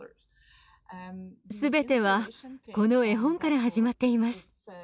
全てはこの絵本から始まっています。